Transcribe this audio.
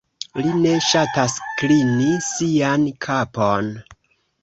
Li ne ŝatas klini sian kapon.